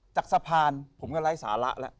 จากสะพานผมก็ไร้สาระแล้ว